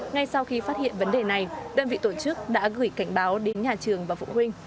ngay sau khi phát hiện vấn đề này đơn vị tổ chức đã gửi cảnh báo đến nhà trường và phụ huynh